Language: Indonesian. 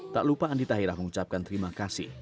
tak lupa andi tahira mengucapkan terima kasih